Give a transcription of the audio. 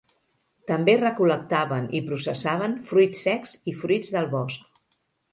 També recol·lectaven i processaven fruits secs i fruits del bosc.